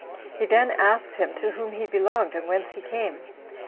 He then asked him to whom he belonged, and whence he came.